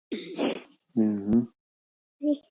سوډیم او پوټاشیم د پښتورګو تر کنټرول لاندې وي.